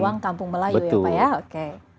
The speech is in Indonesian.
bekasi jawa kampung melayu ya pak ya